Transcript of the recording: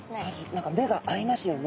何か目が合いますよね。